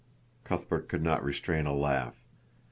Cuthbert could not restrain a laugh.